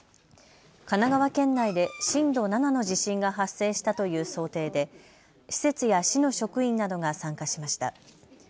神奈川県内で震度７の地震が発生したという想定で施設や市の職員などが参加しました。